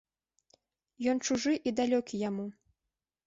Ён чужы і далёкі яму.